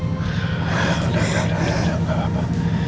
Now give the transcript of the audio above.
udah udah udah udah gak apa apa